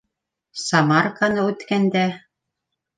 Самарканы үткәндә